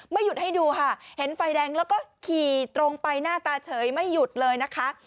หยุดให้ดูค่ะเห็นไฟแดงแล้วก็ขี่ตรงไปหน้าตาเฉยไม่หยุดเลยนะคะ